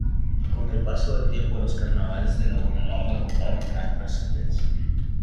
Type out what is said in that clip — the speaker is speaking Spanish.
Con el paso del tiempo los carnavales de Laguna Larga cobraron gran trascendencia.